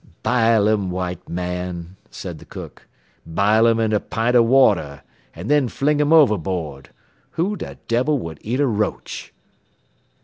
"Bile 'em, white man," said the cook. "Bile 'em in er pint er water an' then fling 'em overboard. Who the debble would eat er roach?"